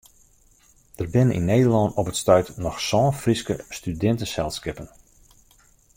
Der binne yn Nederlân op it stuit noch sân Fryske studinteselskippen.